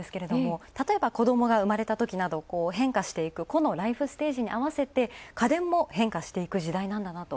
たとえば子供が生まれたときなど、変化していく個のライフステージにあわせて家電も変化していく時代だなと。